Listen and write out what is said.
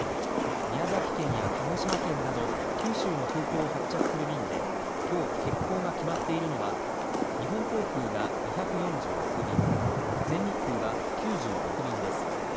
宮崎県や鹿児島県など九州の空港を発着する便できょう、欠航が決まっているのは日本航空が２４６便全日空は９６便です。